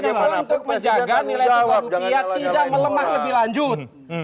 memang untuk menjaga nilai tukar rupiah tidak melemah lebih lanjut